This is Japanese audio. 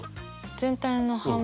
全体の半分？